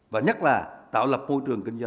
và nhất là tạo lập mô trình